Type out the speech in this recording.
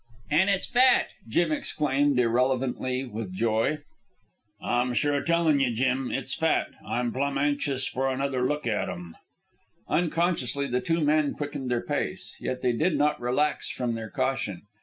"An' it's fat!" Jim exclaimed irrelevantly and with joy. "I'm sure tellin' you, Jim, it's fat. I'm plum' anxious for another look at 'em." Unconsciously the two men quickened their pace. Yet they did not relax from their caution.